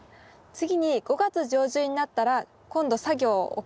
次に５月上旬になったら今度作業を行います。